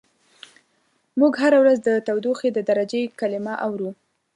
موږ هره ورځ د تودوخې د درجې کلمه اورو.